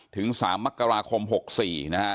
ถึง๓มักราคม๖๔นะครับ